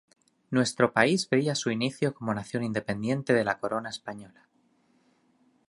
Nuestro país veía su inicio como nación independiente de la corona española.